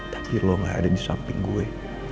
tapi lo gak ada di samping gue